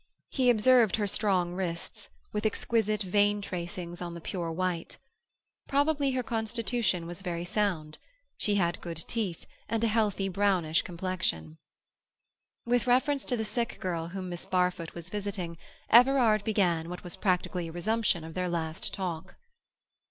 He observed her strong wrists, with exquisite vein tracings on the pure white. Probably her constitution was very sound; she had good teeth, and a healthy brownish complexion. With reference to the sick girl whom Miss Barfoot was visiting, Everard began what was practically a resumption of their last talk.